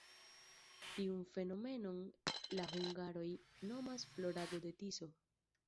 Tiun fenomenon la hungaroj nomas "florado de Tiso".